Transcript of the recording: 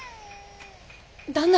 旦那。